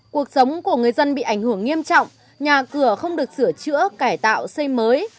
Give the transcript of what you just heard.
cuộc sống của người dân bị ảnh hưởng nghiêm trọng nhà cửa không được sửa chữa cải tạo xây mới